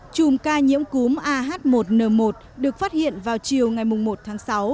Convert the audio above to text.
chùm ca nhiễm cúm ah một n một được phát hiện vào chiều ngày một tháng sáu